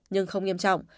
nhưng không nghiêm trọng